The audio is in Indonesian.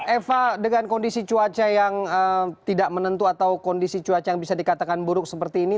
eva dengan kondisi cuaca yang tidak menentu atau kondisi cuaca yang bisa dikatakan buruk seperti ini